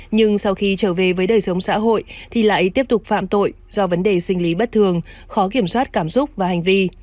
nhưng sau khi trở về với đời sống xã hội thì lại tiếp tục phạm tội do vấn đề sinh lý bất thường khó kiểm soát cảm xúc và hành vi